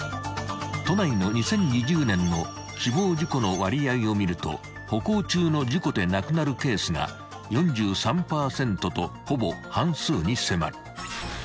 ［都内の２０２０年の死亡事故の割合を見ると歩行中の事故で亡くなるケースが４３％とほぼ半数に迫る］